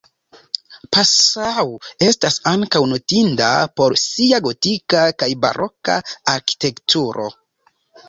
Passau estas ankaŭ notinda por sia gotika kaj baroka arkitekturo.